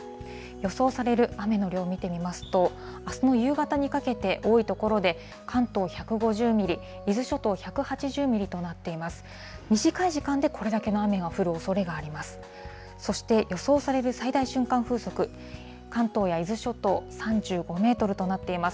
予想される雨の量を見てみますと、あすの夕方にかけて、多い所で、関東１５０ミリ、伊豆諸島１８０ミリとなっています。